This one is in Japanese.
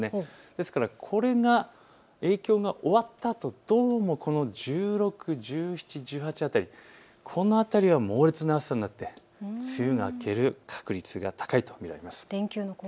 ですからこれが影響が終わったあと、どうもこの１５、１６、１７、１８辺り、この辺りは猛烈な暑さになって梅雨が明ける確率が高いと思われます。